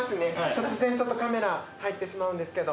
突然カメラ入ってしまうんですけど。